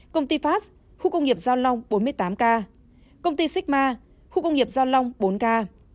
công ty phát khu công nghiệp giao long bốn mươi tám ca công ty sigma khu công nghiệp giao long bốn ca